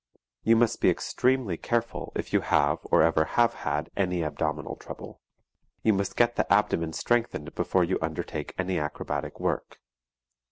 You must be extremely careful if you have or ever have had any abdominal trouble. You must get the abdomen strengthened before you undertake any acrobatic work.